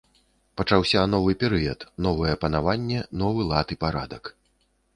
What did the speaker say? Пачаўся новы перыяд, новае панаванне, новы лад і парадак.